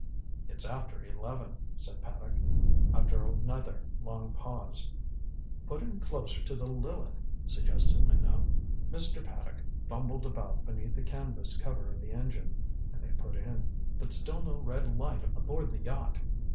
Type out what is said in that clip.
"It's after eleven," said Paddock, after another long pause. "Put in closer to the Lileth," suggested Minot. Mr. Paddock fumbled about beneath the canvas cover of the engine, and they put in. But still no red light aboard the yacht.